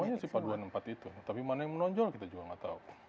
ya semuanya sih paduan empat itu tapi mana yang menonjol kita juga nggak tahu